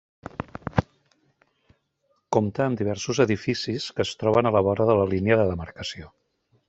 Compta amb diversos edificis, que es troben a la vora de la línia de demarcació.